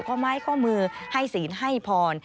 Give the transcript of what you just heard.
ข้อไม้ข้อมือให้ศีลให้พร